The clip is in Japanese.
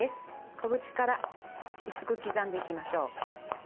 小口から薄く刻んでいきましょう。